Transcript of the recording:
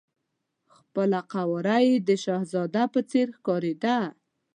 خپله قواره یې د شهزاده په څېر ښکارېده.